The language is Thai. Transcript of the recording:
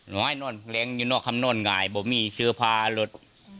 น้อยนอนแรงอยู่นอกข้ามนอนไงบอกมีเชื้อพารถ